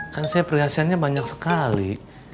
kan saya perhiasannya banyak sekali